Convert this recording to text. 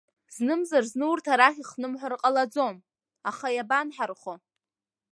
Знымзар-зны урҭ арахь ихнымҳәыр ҟалаӡом, аха иабанҳархо?